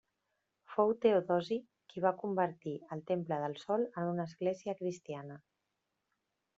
Fou Teodosi qui va convertir el temple del Sol en una església cristiana.